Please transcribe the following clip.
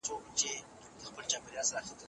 خېمې دایمي کورونه نه دي.